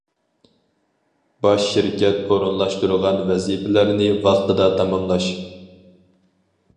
باش شىركەت ئورۇنلاشتۇرغان ۋەزىپىلەرنى ۋاقتىدا تاماملاش.